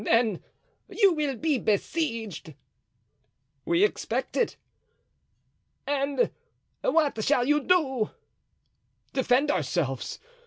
"Then you will be besieged." "We expect it." "And what shall you do?" "Defend ourselves.